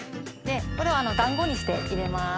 これを団子にして入れます。